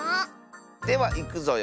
ではいくぞよ。